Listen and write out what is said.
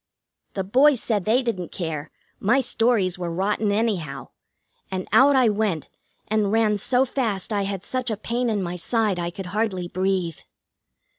The boys said they didn't care, my stories were rotten anyhow, and out I went and ran so fast I had such a pain in my side I could hardly breathe.